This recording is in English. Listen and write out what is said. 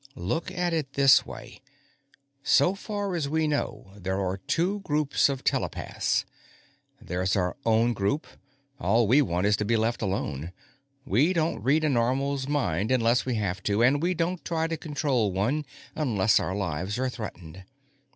_Look at it this way: So far as we know, there are two Groups of telepaths. There's our own Group. All we want is to be left alone. We don't read a Normal's mind unless we have to, and we don't try to control one unless our lives are threatened.